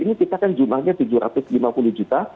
ini kita kan jumlahnya tujuh ratus lima puluh juta